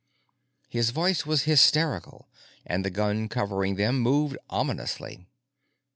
His voice was hysterical and the gun covering them moved ominously.